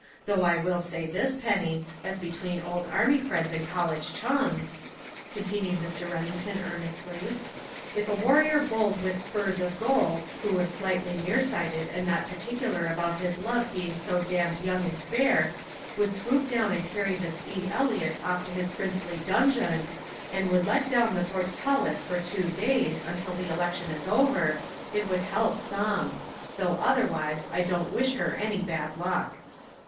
Though I will say this, Penny, as between old army friends and college chums," continued Mr. Remington earnestly, "if a warrior bold with spurs of gold, who was slightly near sighted and not particular about his love being so damned young and fair, would swoop down and carry this E. Eliot off to his princely donjon, and would let down the portcullis for two days, until the election is over, it would help some! Though otherwise I don't wish her any bad luck!"